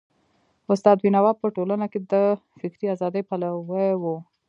استاد بينوا په ټولنه کي د فکري ازادۍ پلوی و.